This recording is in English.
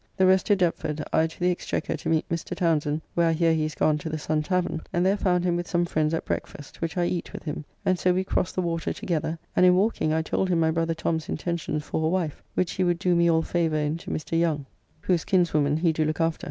The rest to Deptford, I to the Exchequer to meet Mr. Townsend, where I hear he is gone to the Sun tavern, and there found him with some friends at breakfast, which I eat with him, and so we crossed the water together, and in walking I told him my brother Tom's intentions for a wife, which he would do me all favour in to Mr. Young, whose kinswoman he do look after.